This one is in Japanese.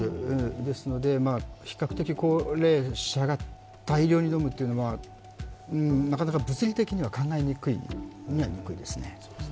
ですので比較的、高齢者が大量に飲むというのはなかなか物理的には考えにくいですね。